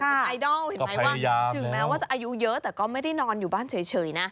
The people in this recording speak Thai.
เป็นไอดอลเห็นไหมว่าถึงแม้ว่าจะอายุเยอะแต่ก็ไม่ได้นอนอยู่บ้านเฉยนะ